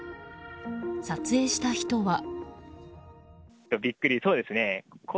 撮影した人は。